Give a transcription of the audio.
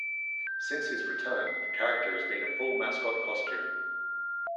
Since his return, the character has been a full mascot costume.